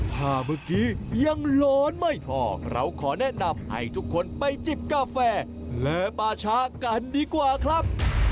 ถ้าเมื่อกี้ยังร้อนไม่พอเราขอแนะนำให้ทุกคนไปจิบกาแฟและบาชากันดีกว่าครับ